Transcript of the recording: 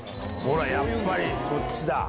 やっぱりそっちだ。